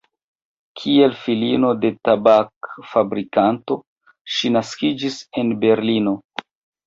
Kiel filino de tabak-fabrikanto ŝi naskiĝis en Berlino.